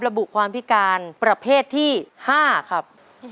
ระบุความพิการประเภทที่๕ครับ